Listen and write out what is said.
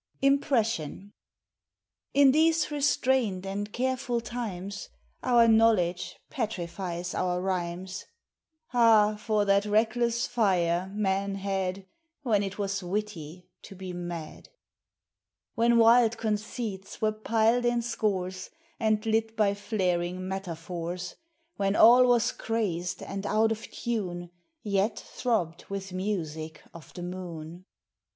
[MPRESSIOK In these restrained and careful times Our knowledge petrifies oar rhym Ali ! for that reckless Are men had When it was witty to be mad, 336 POEMS OF SENTIMENT. When wild conceits were piled in scores, And lit by flaring metaphors, When all was crazed and out of tune, — Yet throbbed with music of the moon.